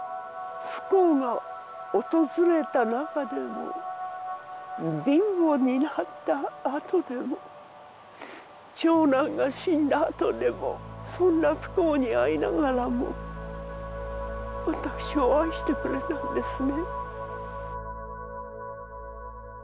不幸が訪れた中でも貧乏になった後でも長男が死んだ後でもそんな不幸に遭いながらも私を愛してくれたんですね